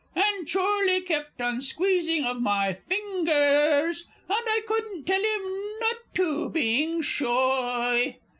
"_ And Chorley kept on squeezing of my fingers, And I couldn't tell him not to, being shoy.